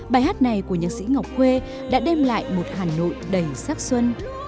bài hát này của nhạc sĩ ngọc khuê đã đem lại một hà nội đầy sắc xuân